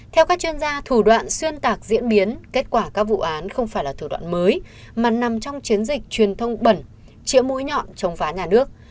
theo các chuyên gia thủ đoạn xuyên tạc diễn biến kết quả các vụ án không phải là thủ đoạn mới mà nằm trong chiến dịch truyền thông bẩn chữa mũi nhọn chống phá nhà nước